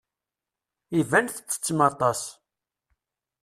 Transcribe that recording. Iban ttettem aṭas.